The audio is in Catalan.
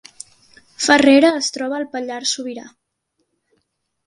Farrera es troba al Pallars Sobirà